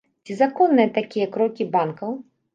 Ці законныя такія крокі банкаў?